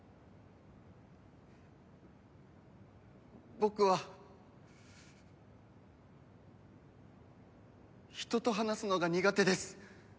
僕は人と話すのが苦手です